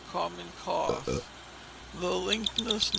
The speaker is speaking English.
Common Cough. The linctus, No.